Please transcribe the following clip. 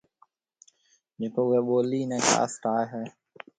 جڪو اُوئي ٻولِي نَي خاص ٺاهيَ هيَ۔